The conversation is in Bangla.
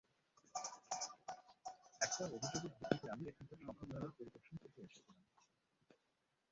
একটা অভিযোগের ভিত্তিতে আমি এখানকার সংশোধনাগার পরিদর্শন করতে এসেছিলাম।